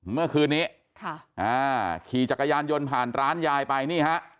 เมื่อคืนนี้ค่ะอ่าขี่จักรยานยนต์ผ่านร้านยายไปนี่ฮะ